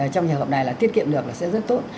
trong trường hợp này là tiết kiệm được là sẽ rất tốt